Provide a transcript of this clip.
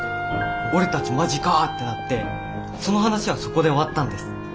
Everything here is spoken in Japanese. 俺たち「まじか」ってなってその話はそこで終わったんです。